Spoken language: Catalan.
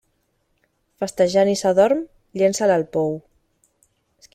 Festejant, i s'adorm?: llença'l al pou.